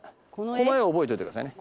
この画を覚えといてくださいね。